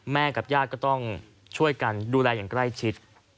กับญาติก็ต้องช่วยกันดูแลอย่างใกล้ชิด